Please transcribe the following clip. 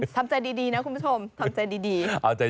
ทำใจดีนะคุณผู้ชม